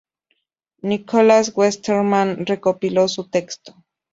Nicholas Westermann recopiló su texto.